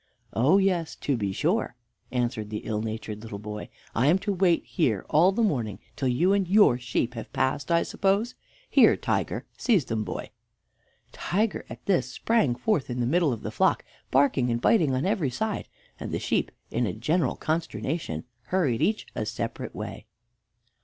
"Oh yes, to be sure," answered the ill natured little boy. "I am to wait here all the morning till you and your sheep have passed, I suppose! Here, Tiger, seize them, boy"! Tiger at this sprang forth into the middle of the flock, barking and biting on every side, and the sheep, in a general consternation, hurried each a separate way.